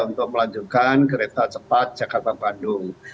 untuk melanjutkan kereta cepat jakarta bandung